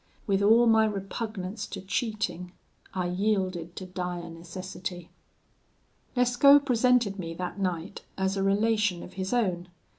With all my repugnance to cheating, I yielded to dire necessity. "Lescaut presented me that night as a relation of his own.